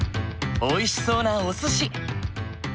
おいしそうなおすし。